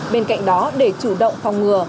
bên cạnh đó để chủ động phòng ngừa